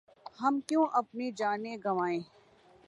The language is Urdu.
ہم کیوں اپنی جانیں گنوائیں ۔